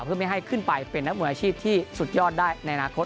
เพื่อไม่ให้ขึ้นไปเป็นนักมวยอาชีพที่สุดยอดได้ในอนาคต